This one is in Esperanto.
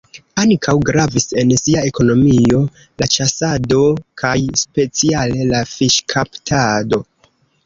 Ankaŭ gravis en sia ekonomio la ĉasado kaj speciale la fiŝkaptado.